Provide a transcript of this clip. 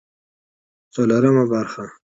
څلورمه برخه